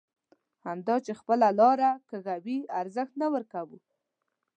همدا چې خپله لاره کږوي ارزښت نه ورکوو.